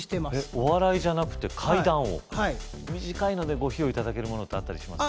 お笑いじゃなくて怪談を短いのでご披露頂けるものってあったりします？